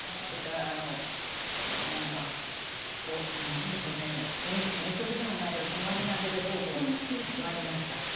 それからあの何か何でしょうね遠足でもないけど泊まりがけで方々参りました。